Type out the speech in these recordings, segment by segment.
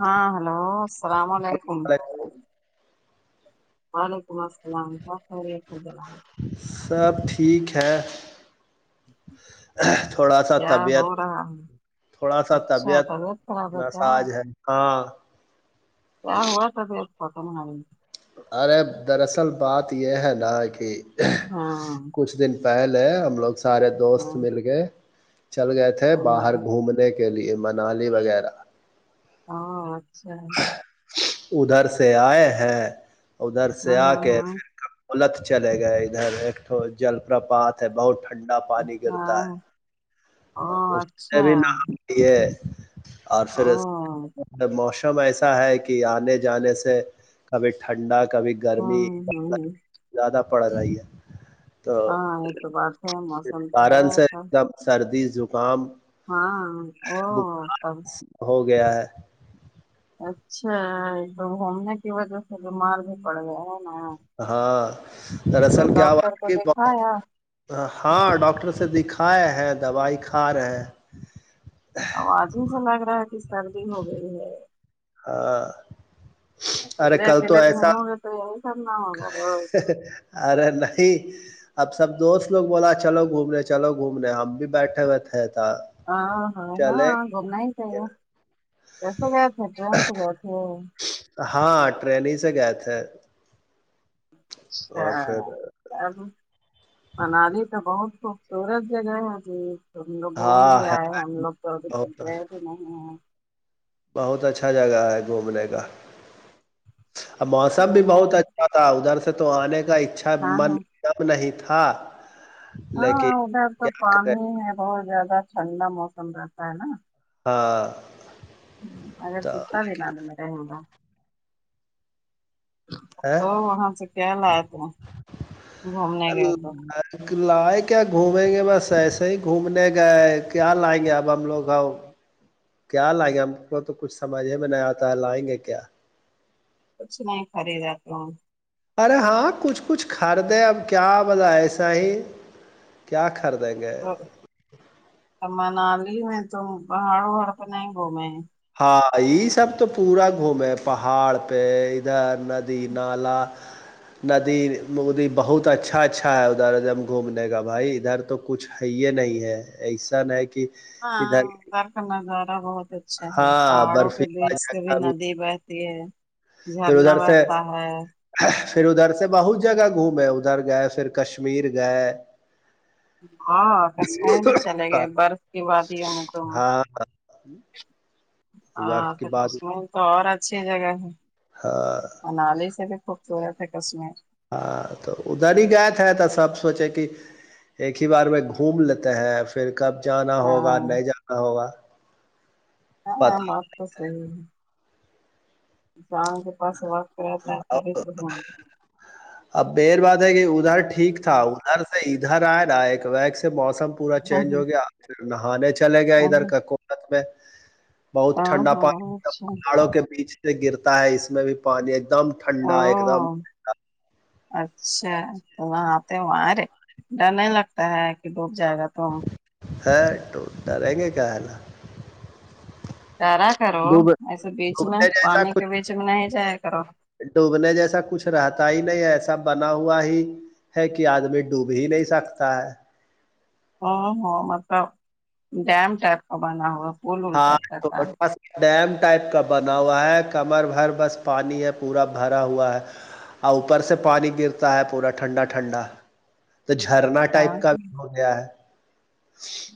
ہاں ہلو السلام علیکم وعلیکم السلام [unintelligible] سب ٹھیک ہے تھوڑا سا کیا ہو طبیعت رہا ہے تھوڑا سا اچھا طبیعت خراب ہے کیا ناساز ہے ہاں کیا ہوا طبیعت کو تمہاری ارے دراصل بات یہ ہے نا کہ ہاں کچھ دن پہلے ہم لوگ سارے دوست ہاں مل کے چل گئے تھے ہاں باہر گھومنے کے لیے منالی وغیرہ ہاں اچھا ادھر سے آئے ہیں ادھر سے ہاں آ ہاں کے ہاں پھر کب ملک چلے گئے ادھر ایک تو جل پرپات ہے بہت ٹھنڈا پانی گرتا ہے ہاں او [unintelligible] اس نے اچھا بھی نام لیے اور او پھر اب ایسا ہے کہ آنے جانے سے کبھی ٹھنڈا کبھی گرمی ہوں ہوں زیادہ پڑ رہی ہے تو ہاں یہ تو بات ہے موسم تو کارن ہے سے ایک سب دم سردی زکام ہاں او بخار تب ہو گیا ہے اچھا ایک تو گھومنے کی وجہ سے بیمار بھی پڑ گئے ہونا ہاں دراصل کیا ہوا ڈاکٹر تھا کو کی دکھایا [unintelligible] ہاں ڈاکٹر سے دکھائے ہیں دوائی کھا رہے ہیں آواز ہی سے لگ رہا ہے کہ سردی ہو گئی ہے ہاں ارے اکیلے کل تو اکیلے ایسا گھومو گے تو یہی سب نا ہوگا تو ارے نہیں اب سب دوست لوگ بولا چلو گھومنے چلو گھومنے ہم بھی بیٹھے ہوئے تھے تھا ہاں ہاں چلے ہاں گھومنا ہی چاہیے کیسے گئے تھے ٹرین سے گئے تھے ہاں ٹرین ہی سے گئے تھے اور پھر اچھا ا منالی تو بہت خوبصورت جگہ ہے جی تم لوگ گھوم بھی ہاں آئے ہم لوگ تو ابھی تک بہت گئے بھی نہیں ہیں بہت اچھا جگہ ہے گھومنے کا موسم وہ بھی بہت گھوم- اچ ھا تھا ادھر سے تو آنے کا اکچھا ہاں من ہاں کب نہیں تھا ہاں لیکن ادھر تو کیا کریں پانی ہے بہت زیادہ ٹھنڈا موسم رہتا ہے نا ہاں اگر تو کتنا دن تو میں رہ گا ہے تو وہاں سے کیا لیا ٹھ گھومنے گئے تو لائے کیا گھومیں گے بس ایسے ہی گھومنے گئے کیا لائیں گے اب ہم لوگ ہو کیا لائیں گے ہم کو تو کچھ سمجھے میں نہیں آتا ہے لائیں گے کیا کچھ نہیں خریدا کیا ارے ہاں کچھ کچھ خریدے اب کیا بہتے سہی ہی کیا خریدیں گے تو منالی میں تم پہاڑ وہاڑ نہیں گھومے ہاں یہ سب تو پورا گھوم ہے پہاڑ پہ ادھر ندی نالا ندی مودی بہت اچھا اچھا ہے ادھر ا د گھومنے کا بھائی ادھر تو کچھ یہ نہیں ہے ایسا کہ ہاں ادھر گر کا نظارہ بہت اچھا ہے ہاں پہاڑوں کے برفیلا بیچ ک بھی جگہ ندی بہتی ہے پھر جھرنا ادھر سے بہتا ہے پھر ادھر سے بہت جگہ گھومے ادھر گئے پھر کشمیر گئے ہاں کشمیر بھی چلے گئے برف کی باد ہی ہو میں تم ہاں ہاں برف کی بات کشمیر تو اور اچھی جگہ ہے ہاں منالی سے بھی خوب چورت ہے کسمیر ہاں تو ادھر ہی گائے تھ ہے تھا سب سوچے کہ ایک ہی بار میں گھوم لیتے ہیں پھر کب جانا ہوگا ہاں نہیں جانا ہوگا ہاں پتا بات تو صحیح ہے جان کے پاس واک کراتا بھی اب مین بات ہے کہ ادھر ٹھیک تھا ادھر سے ادھر آئے نا ایک وگ سے موسم پورا ہے۔ ہاں چینج ہو گیا آج پھر نہانے چلے گیا ہاں ادھر ککت میں بہت ہاں ٹھنڈا پانی ہاں تھا اچھا پہادو کے بیچ گرتا ہے اس میں بھی پانی ایک دم ٹھنڈا ایک دم ہاں اچھا تو وہاں وہاںارے ڈر نہیں لگتا ہے کہ ڈوب جائے گا تو [unintelligible] ڈرا کرو ڈوب ایسے بیچ میں ڈوبنے جیسا پانی کے کچھ بیچ میں نہیں جایا کرو ڈوبنے جیسا کچھ رہتا ہی نہیں ایسا بنا ہوا ہی ہے کہ آدمی ڈوب ہی نہیں سکتا ہے ہ ہاں مطلب ڈیم ٹائپ کا بنا ہوا پول وول ہاں ٹائپ کا کو تھا پس ڈیم ٹائپ کا بنا ہوا ہے کمر بھر بس پانی ہے پورا بھرا ہوا ہے اور اوپر سے پانی گرتا ہے پورا ٹھنڈا ٹھنڈا تو جھرنا ہاں ٹائپ کا بھی ہو گیا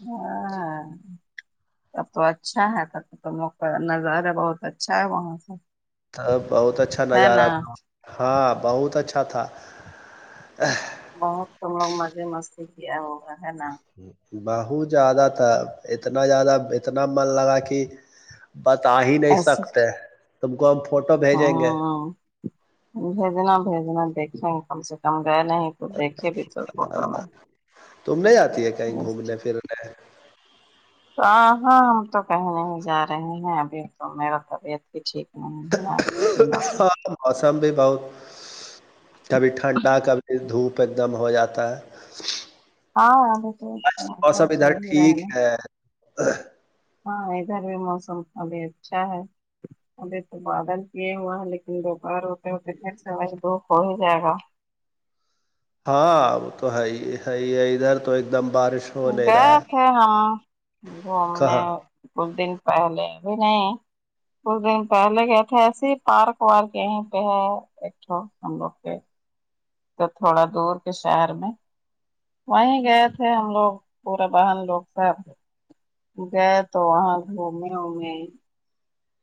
ہاں تب تو اچھا ہے تب تو مقع نظارہ بہت اچھا ہے وہاں سے ا بہت اچھا ہے نا نظارہ تھا ہاں بہت اچھا تھا بہت تم لوگ مزے مستی کیا ہوا ہے نا بہت زیادہ تھا اتنا زیادہ اتنا من لگا کہ بتا ہی نہیں ایسے سکتے تم کو ہم فوٹو بھیجیں گے ہاں بھیجنا بھیجنا دیکھیں کم سے کم گئے نہیں تو دیکھے بھی تو فوٹو میں تم نہیں آتی ہے کہیں گھومنے پھر ہاں ہاں ہم تو کہنے ہی جا رہے ہیں ابھی تو میرا طبیعت بھی ٹھیک نہی ہے نہ ہاں موسم بھی بہت کبھی ٹھنڈا کبھی دھوپ ایک دم ہو جاتا ہے ہاں ابھی تو بس موسم چل ادھر ہی رہے ٹھیک نا ہے ہاں ادھر بھی موسم ابھی اچھا ہے ابھی تو بادل کیے ہوا ہے لیکن دوپہر ہوتے ہوتے پھر سج دکھ ہو ہی جائے گا ہاں وہ تو ہے ہی ہے ہے ادھر تو ایک دم بارش ہو نہیں گئے رہا ہے تھے ہاں گھومنے کہاں کچھ دن پہلے ابھی نہیں کچھ دن پہلے گئے تھے ایسے ہی پارک وارک یہیں پہ ہے ایکٹھ ہم لوگ پہ تو تھوڑا دور کے شہر میں وہیں گئے تھے ہم لوگ پورے بہن لوگ سب تھے گئے تو وہاں گھومے وومے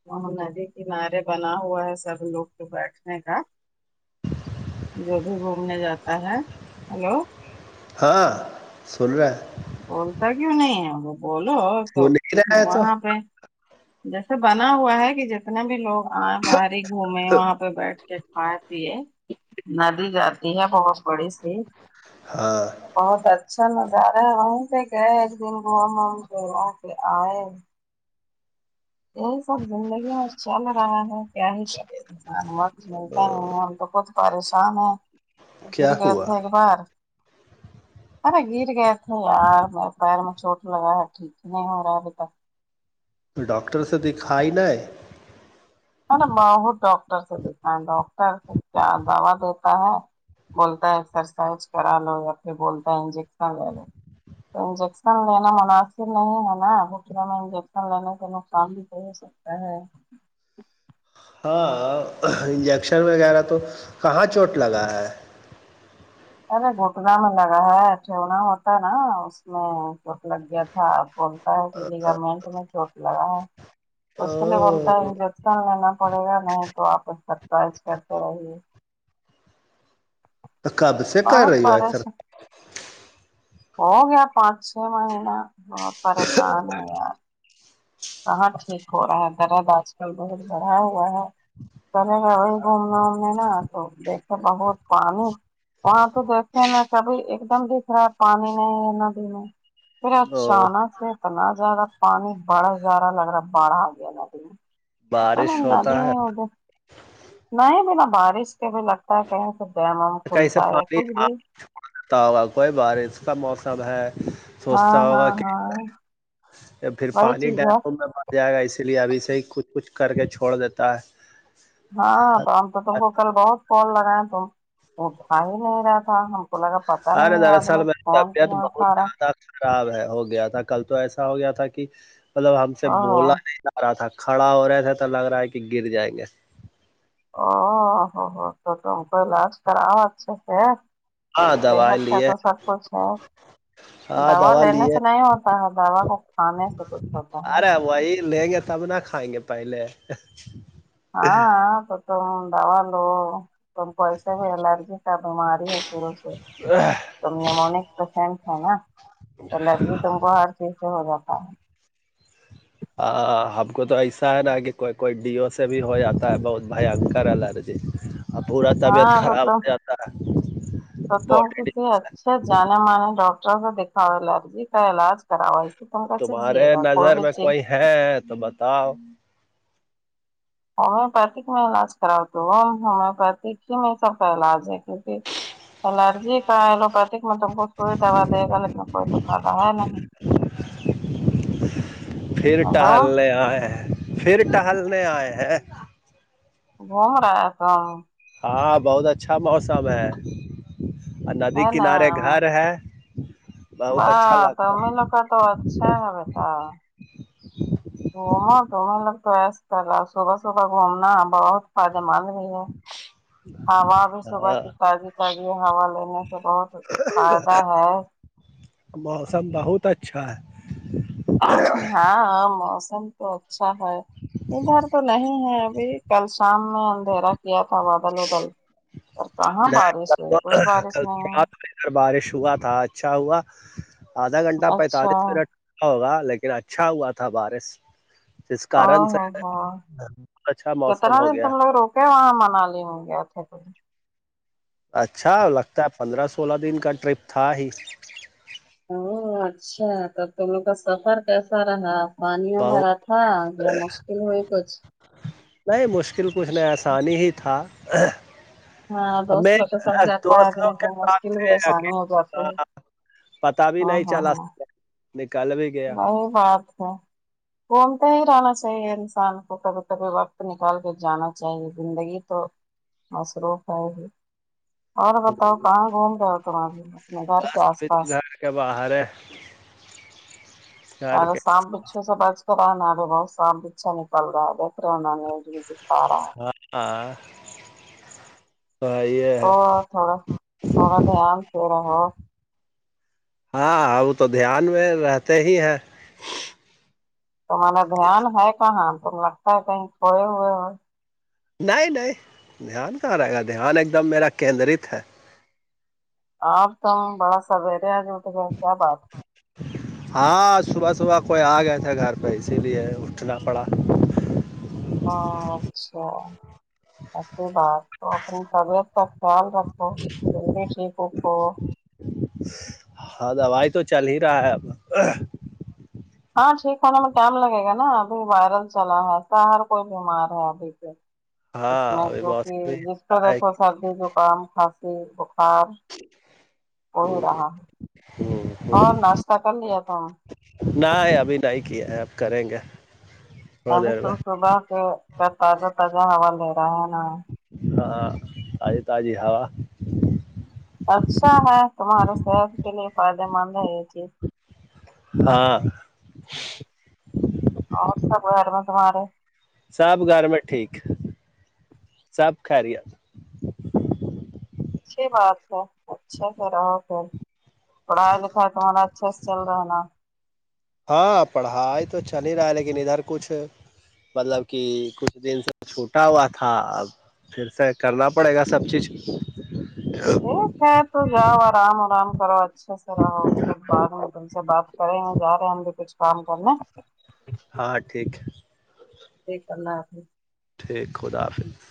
وہ ندی کنارے بنا ہوا ہے سب لوگ تو بیٹھنے کا جو بھی گھومنے جاتا ہے ہلو ہاں سن رہا بولتا کیوں نہیں ہے وہ بولو تو سن ہی رہا ہے تو وہاں پہ جیسے بنا ہوا ہے کہ جتنا بھی لوگ ہاں باہر ہی گھومے وہاں پہ بیٹھ کے کھائے پیے ندی جاتی ہے بہت بڑی سی ہاں بہت اچھا نظارہ ہے وہیں پہ گئے ایک دن گھوم ووم کے وہاں پ آئے یہی سب زندگی میں چل رہا ہے کیا ہی چلے انسان بہت ملتا ہیں ہم تو بہت پریشان ہیں گر کیا گئے تھے ہوا ایک بار ارے گر گئے تھے یار میرے پیر میں چھوٹ لگا ہے ٹھیک نہیں ہو رہا ابھی تک تو ڈاکٹر سے دکھائی نہ نا بہت ڈاکٹر سے دکھا ہے ڈاکٹر کیا دوا دیتا ہے بولتا ہے ایکسرسائز کرا لو یا پھر بولتا ہے انجیکشن لے لو تو انجیکشن لینا مناسب نہیں ہے نا گٹھنوں میں انجیکشن لینے کے نقصان کو ہو سکتا ہے ہاں انجیکشن وغیرہ تو کہاں چوٹ لگا ہے ارے گھٹنا میں لگا ہے ٹونا ہوتا ہے نا اس میں چوٹ لگ گیا تھا بولتا ہے کہ لیگا مٹ میں چوٹ لگا ہے تو اس کے لیے بولتا او انجیکشن لینا پڑے گا نہیں تو آپ اسکاسائز کرتے رہیے اقاب سے کر بہت رہی ہو برس ایکسر ہو گیا پانچ چھ مہینہ بہت پریشان ہے یار کہاں ٹھیک ہو رہا ہے درد آج کل بہت بڑا ہوا ہے کرے کا وہی گھومنے [unintelligible] تو دیکھے بہت پانی تو دیکھتے ہیں نا کابھی ایک دم دکھ رہا ہے پانی نہیں نا دن پھر او اچاناک اتنا زیادہ پانی بڑا زارا لگ رہا ہے باڑھا آ گیا دن [unintelligible] بارش ہوتا ہے نہیں بنا بارش کے بھی لگتا ہے کہیں تو ڈیم وم کہیں سے کھلتا ہے پانی کچھ آ بھی کوئی بارش کا موسم ہے ہاں سوچتا ہاں ہوگا کہ ہاں یا پھر وہی پانی چیز ڈیم ہے کو میں جائے گا اس لیے ابھی سے ہی کچھ کچھ کر کے چھوڑ دیتا ہے ہاں تو ہم تو تم کو کل بہت فون لگائے تم اٹھا ہی نہیں رہا تھا ہم کا پتا ارے نہیں ہے دراصل آدمی میری فون کیوں طبیعت نہیں بہت اٹھارا زیادہ خراب ہو گیا تھا کل تو ایسا ہو گیا تھا کہ مطلب ہم سے او بولا نہیں تھا رہا تھا کھڑا ہو رہے تھے تو لگ رہا ہے کہ گر جائیں گے ا ہو ہو تو تو ہم کوعلاج کریا اچھے سے ہے ہاں دوا صحت کا لیے تو سب کچھ ہے ہاں دوا لینے لیے سے نہیں ہوتا ہے دوا کو کھانے سے کچھ ہوتا ہے کھاگے پائیلے ہاں تم دوا لو تم کوسے بھی الرجی کا بیماری ہے شروع سے [inaudible] نیمونک پیشنٹ ہے نا الرجی تم کو ہر چیز سے ہو جاتا ہے ہم کو تو ایسا ہے نا کہ کوئی کوئی ڈی او سے بھی ہو جاتا ہے بہت بھینکر الرجی اور پورا طبیعت ہاں تو خراب تم ہو جاتا ہے تو تم باڈی کسی ڈیو اچھے جانے مانے ڈاکٹر سے دکھاؤ الرجی کا علاج اواز سے اب تم تمہارے جیے گا کر نظر میں کوئی ہے تو بتاؤ ہومیوپیتک میں علاج کرا تو ہومیوپیتھ ہی میں سب کا علاج ہے کیونکہ الرجی کا لوپی مطلب وہ سوئی دوا دے گا لیکن کوئی تو فائدہ ہے نہیں پھر ہیلو ٹل آئے ہیں پھر ٹہلنے آئے ہیں گھوم رہا ہے تو ہاں بہت اچھا موسم ہے اور ندی ہے کنارے گھر ہے بہت اچھا توم لگتا لوگ تو اچھا ہے تو گومو تومیں لگ تو ایسا کرل صبح صبح گھومنا بہت پاد مدم ہے ہوا بھی صبح ہے کی تازی تازی ہوا لینے سے بہت فائدہ ہے موسم بہت اچھا ہے ہاں ہاں موسم تو اچھا ہے ادھر تو نہیں ہے ابھی کل شام میں اندھیرا کیا تھا مادل ادل اور کہاں بارش ہوئی کچھ بارش نہیں نہیں بارش ہوا تھا اچھا ہوا آدھا گھنٹہ اچھا پینتالیس منٹ ہوگا لیکن اچھا ہوا تھا بارش جس ہ کارن سے ہ اچھا موسم کتنا ہو دن گیا تم لگ روک کیا وہاں منالی میں گیا تھا تو اچھا لگتا ہے پندرہ سولہ دن کا ٹرپ تھا ہی او اچھا تو تم لوگ کا سفر کیسا رہا پانی بہت بارا تھا مشکل ہوئی کچھ نہیں مشکل کچھ نہیں آسانی ہی تھا ہاں اب دوست میں لوگ کے ساتھ جاتا ہے دوست لوگ آدمی کے تو ساتھ مشکل بھی تھا آسانی ہو جاتی اکیلا ہے پتا بھی ہاں نہیں ہاں چلا ہاں نکل بھی گیا وہی بات ہے گھومتے ہی رہنا چاہیے انسان کو کبھی کبھی وقت نکال کے جانا چاہیے زندگی تو مصروف ہو اور بتاؤ کہاں گھوم رہا ہو تم اب اپنے گھر کے بس آس ابھی پاس تو گھر کے باہر ہے گھر ارے کے سانپ بچھو سے بچ کر رہنا اب بہت سانپ پچھا نکل رہا ہے ابے پھر ان نے جو تارا آ ہاں یہ تو تھوڑا تھوڑا دھیان سے رہو ہاں اب تو دھیان میں رہتے ہی ہیں تمہارے دھیان ہے کہاں تم لگتا ہے کہیں کھوئے ہوئے ہو نہیں نہیں دھیان کہا رہے گا دھیان ایک دم میرا کیندرت ہے آپ تو بڑا سویرے آج اٹ گیا کیا بات ہاں صبح صبح کوئی آ گیا تھے گھر پہ اسی لیے اٹھنا پڑا ہاں اچھا ایسی بات تو اپنی طبیعت کا خیال رکھو جلدی ٹھیک اٹھو ہاں دوائی تو چل ہی رہا ہے اب ہاں ٹھیک ہونے میں ٹائم لگے گا نا ابھی وائرل چلا ہے باہر کوئی بیمار ہے ابھی سے اس ہاں میں ابھی کیونکہ موسم ہی جس کو ایسا ہے دیکھو سردی جو کام خاص ی بخار ہو ہی رہا ہے ہمم اور ناشتہ کر لیا تھا نہ ھی ابھی نہیں کیا ہے اب کریں گے تھوڑا اہلے دیر تو میں صبح سے کیا تازہ تازہ ہوا لے رہا ہے نا ہاں تازی تازی ہوا اچھا ہے تمہارے صحت کے لیے فائدے مند ہے یہ چیز ہاں اور سب گھر میں تمہارے سب گھر میں ٹھیک سب خیریت اچھی بات ہے اچھے سے رہا پھر پڑھائی لکھائی تمہارا اچھا سے چل رہا ہے نا ہاں پڑھائی تو چل ہی رہا ہے لیکن ادھر کچھ مطلب کہ کچھ دن سے چھوٹا ہوا تھا اب پھر سے کرنا پڑے گا سب چیز ٹھیک ہے تو جاؤ آرام آرام کرو اچھے سے رہو پھر بعد میں تم سے بات کرے گے جا رہے ہیں ہم بھی کچھ کام کرنا ہاں ٹھیک ٹھیک اللہ حافظ ٹھیک خدا حافظ